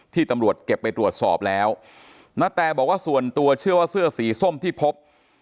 ตำรวจเก็บไปตรวจสอบแล้วณแตบอกว่าส่วนตัวเชื่อว่าเสื้อสีส้มที่พบ